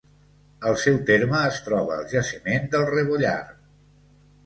Al seu terme es troba el Jaciment del Rebollar.